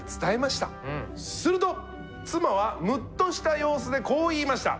すると妻はムッとした様子でこう言いました。